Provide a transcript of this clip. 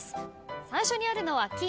最初にあるのは「き」